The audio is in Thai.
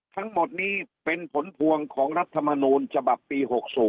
ทั้งหมดนี้เป็นผลพวงของรัฐมนูลฉบับปี๖๐